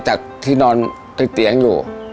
จากที่นอนติดเตียงอยู่